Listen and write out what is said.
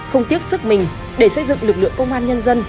không tiếc sức mình để xây dựng lực lượng công an nhân dân